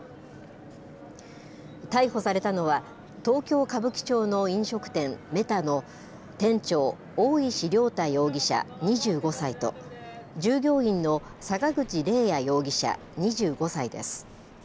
逮捕されたのは、東京・歌舞伎町の飲食店、ＭＥＴＡの店長、大石涼太容疑者２５歳と、従業員の坂口怜也容疑者２５歳です。